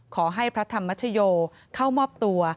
ขอให้พระธรรมชโยเข้ามอบตัว